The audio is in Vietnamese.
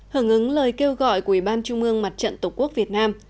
hưởng ứng lời kêu gọi của ủy ban trung ương mặt trận tổ quốc việt nam